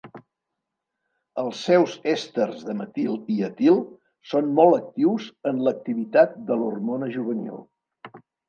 Els seus èsters de metil i etil són molt actius en l'activitat de l'hormona juvenil.